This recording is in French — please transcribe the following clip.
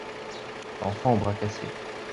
L'enfant au bras cassé.